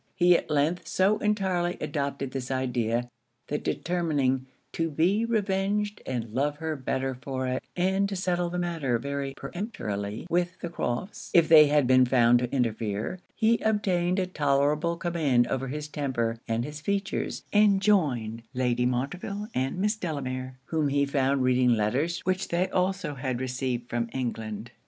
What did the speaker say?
He at length so entirely adopted this idea, that determining 'to be revenged and love her better for it,' and to settle the matter very peremptorily with the Crofts' if they had been found to interfere, he obtained a tolerable command over his temper and his features, and joined Lady Montreville and Miss Delamere, whom he found reading letters which they also had received from England.